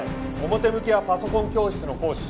表向きはパソコン教室の講師。